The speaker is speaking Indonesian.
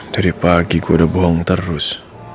dari pagi gue udah buang terus